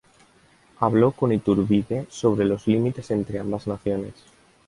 Habló con Iturbide sobre los límites entre ambas naciones.